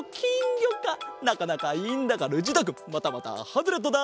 なかなかいいんだがルチータくんまたまたハズレットだ！